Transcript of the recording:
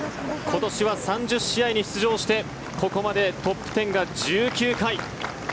今年は３０試合に出場してここまでトップ１０が１９回。